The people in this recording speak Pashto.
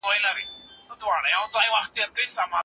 په قلم خط لیکل د خټو د پخولو په څیر دي.